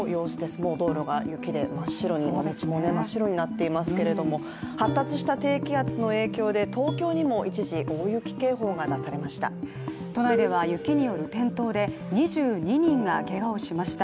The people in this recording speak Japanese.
もう道路が雪で真っ白になっていますけれども発達した低気圧の影響で東京にも一時大雪警報が出されました。